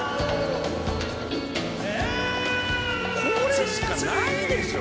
これしかないでしょ。